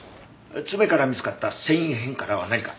爪から見つかった繊維片からは何か？